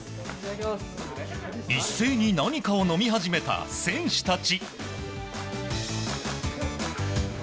一斉に何かを飲み始めた選手たち。